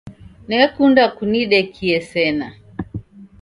Nekunda kunidekie sena.